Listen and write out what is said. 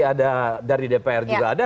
ada dari dpr juga ada